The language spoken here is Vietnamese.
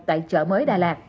tại chợ mới đà lạt